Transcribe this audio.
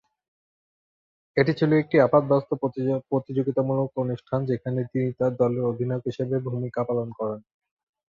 এটি ছিল একটি আপাতবাস্তব প্রতিযোগিতামূলক অনুষ্ঠান, যেখানে তিনি তার দলের অধিনায়ক হিসাবে ভূমিকা পালন করেন।